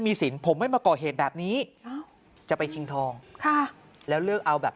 มีสินผมไม่มาก่อเหตุแบบนี้จะไปชิงทองค่ะแล้วเลือกเอาแบบ